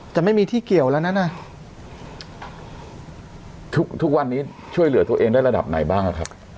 จะไม่มีที่เกี่ยวแล้วนะทุกทุกวันนี้ช่วยเหลือตัวเองได้ระดับไหนบ้างอ่ะครับ